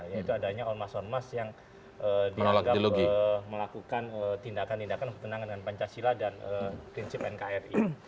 yaitu adanya ormas ormas yang dianggap melakukan tindakan tindakan bertentangan dengan pancasila dan prinsip nkri